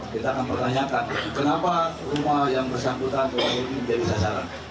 kita akan pertanyakan kenapa rumah yang bersangkutan menjadi sasaran